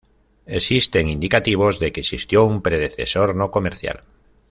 Existen indicativos de que existió un predecesor no comercial.